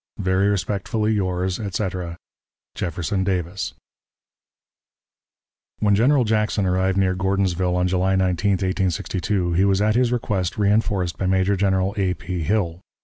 Very respectfully, yours, etc., "JEFFERSON DAVIS." When General Jackson arrived near Gordonsville on July 19, 1862, he was at his request reënforced by Major General A. P. Hill.